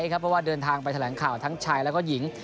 เพราะว่าเดินทางไปแถลงข่าวทั้งชายแล้วก็หญิง